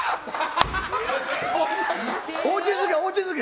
落ち着け、落ち着け！